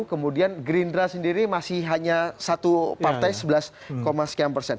kemudian gerindra sendiri masih hanya satu partai sebelas sekian persen